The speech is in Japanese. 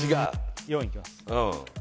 ４いきます